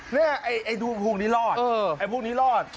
เนี่ยไอทุกพูปรุงนี้รอด